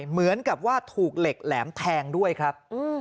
เหมือนกับว่าถูกเหล็กแหลมแทงด้วยครับ